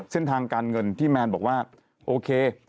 เส้นทางการเงินที่แมนบอกว่าโอเค